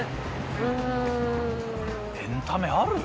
エンタメある？